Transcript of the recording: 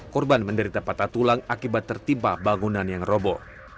korban menderita patah tulang akibat tertimpa bangunan yang robo